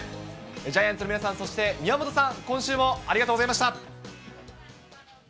ジャイアンツの皆さん、そして宮本さん、今週もありがとうございました。